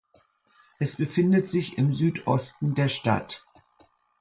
Es befindet sich im Südosten der Stadt.